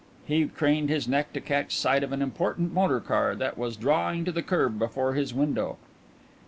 He craned his neck to catch sight of an important motor car that was drawing to the kerb before his window.